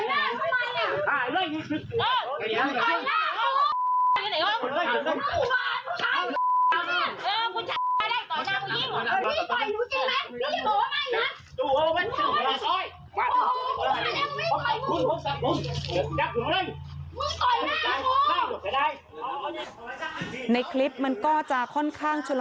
ไม่ใช่ไม่ใช่ไม่ใช่ไม่ใช่ไม่ใช่